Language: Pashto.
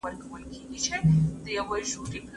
آیا د کلتور توپیر د هویت په تاسیس کي بالأخره برخه لري؟